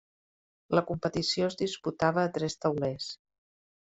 La competició es disputava a tres taulers.